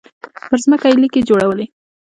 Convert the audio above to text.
پر ځمکه يې ليکې جوړولې.